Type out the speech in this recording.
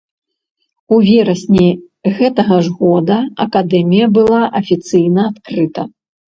У верасні гэтага ж года акадэмія была афіцыйна адкрыта.